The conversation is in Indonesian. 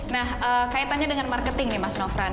nah kaitannya dengan marketing nih mas nofran